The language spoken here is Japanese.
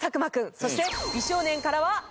そして美少年からは龍我君。